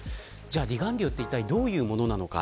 離岸流というのはどういうものなのか。